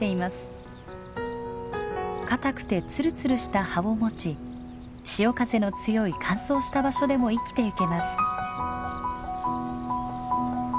かたくてツルツルした葉を持ち潮風の強い乾燥した場所でも生きていけます。